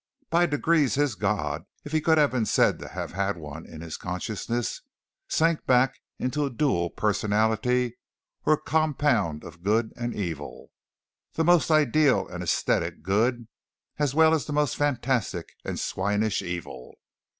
By degrees his God, if he could have been said to have had one in his consciousness, sank back into a dual personality or a compound of good and evil the most ideal and ascetic good, as well as the most fantastic and swinish evil.